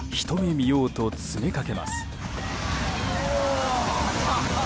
見ようと詰めかけます。